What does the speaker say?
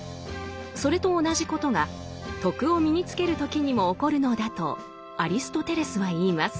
それと同じことが「徳」を身につける時にも起こるのだとアリストテレスは言います。